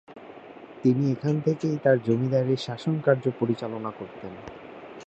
তিনি এখান থেকেই তার জমিদারীর শাসনকার্য পরিচালনা করতেন।